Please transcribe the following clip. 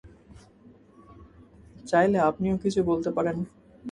চাইলে আপনিও কিছু বলতে পারেন।